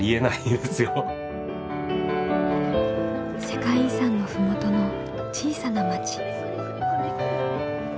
世界遺産の麓の小さな町。